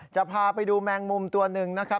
จะพาไปดูแมงมุมตัวหนึ่งนะครับ